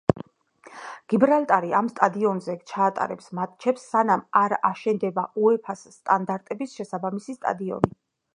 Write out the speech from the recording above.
გიბრალტარი ამ სტადიონზე ჩაატარებს მატჩებს სანამ არ აშენდება უეფას სტანდარტების შესაბამისი სტადიონი.